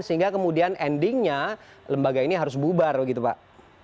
sehingga kemudian endingnya lembaga ini harus bubar begitu pak